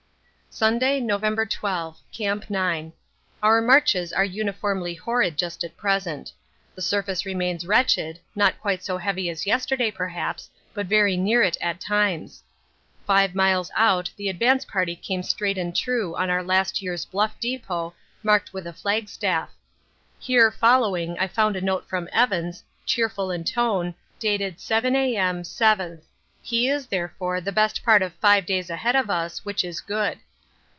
Sunday, November 12. Camp 9. Our marches are uniformly horrid just at present. The surface remains wretched, not quite so heavy as yesterday, perhaps, but very near it at times. Five miles out the advance party came straight and true on our last year's Bluff depot marked with a flagstaff. Here following I found a note from Evans, cheerful in tone, dated 7 A.M. 7th inst. He is, therefore, the best part of five days ahead of us, which is good.